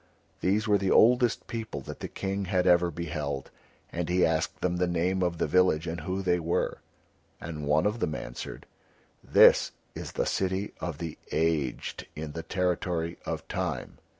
These were the oldest people that the King had ever beheld, and he asked them the name of the village and who they were; and one of them answered, "This is the City of the Aged in the Territory of Time."